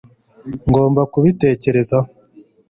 ngomba kubitekerezaho